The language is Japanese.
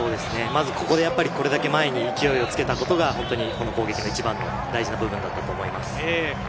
ここで、これだけ前に勢いをつけたことが本当に攻撃の一番の大事な部分だと思います。